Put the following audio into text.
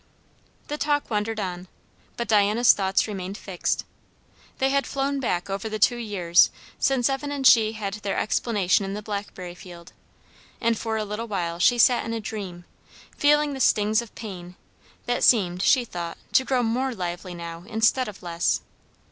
The talk wandered on; but Diana's thoughts remained fixed. They had flown back over the two years since Evan and she had their explanation in the blackberry field, and for a little while she sat in a dream, feeling the stings of pain, that seemed, she thought, to grow more lively now instead of less.